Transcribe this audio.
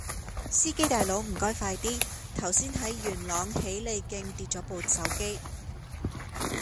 司機大佬唔該快啲，頭先喺元朗喜利徑跌左部手機